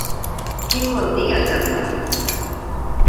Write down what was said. Quin bon dia que fa!